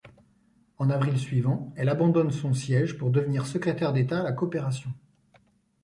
En avril suivant, elle abandonne son siège pour devenir secrétaire d'État à la Coopération.